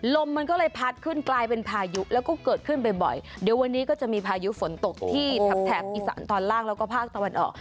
ลมมันก็เลยพัดขึ้นกลายเป็นพายุแล้วก็เกิดขึ้นบ่อยเดี๋ยววันนี้ก็จะมีพายุฝนตกที่แถบแถบอีสานตอนล่างแล้วก็ภาคตะวันออก